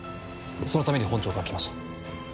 そのために本庁から来ました。